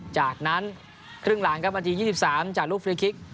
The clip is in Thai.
จากนั้นครึ่งหลังครับนาที๒๓จากลูกฟรีคิก